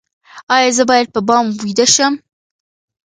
ایا زه باید په بام ویده شم؟